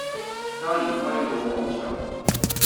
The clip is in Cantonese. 加連威老廣場